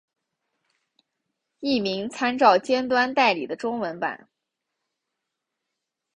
译名参照尖端代理的中文版。